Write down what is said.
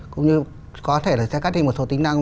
cũng như có thể là sẽ cắt đi một số tính năng